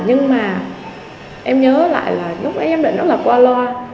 nhưng mà em nhớ lại là lúc ấy giám định rất là qua loa